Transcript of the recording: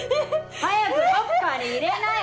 早くロッカーに入れなよ！